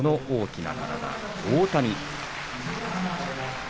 大きな体の大谷。